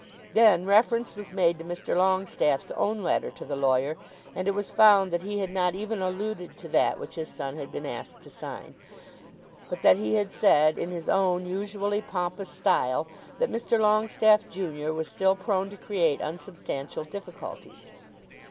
Then reference was made to Mr. Longestaffe's own letter to the lawyer, and it was found that he had not even alluded to that which his son had been asked to sign; but that he had said, in his own usually pompous style, that Mr. Longestaffe, junior, was still prone to create unsubstantial difficulties.